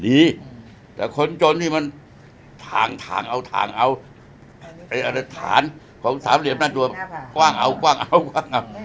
มันไม่ดีแต่คนจนที่มันทางเอาเอานักฐานของสามเหลี่ยมหน้าตัวกว้างเอากว้างเอากว้างเอา